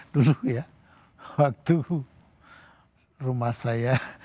dulu ya waktu rumah saya